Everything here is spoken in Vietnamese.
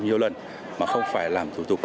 nhiều lần mà không phải làm thủ tục